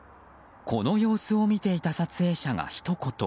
この様子を見ていた撮影者がひと言。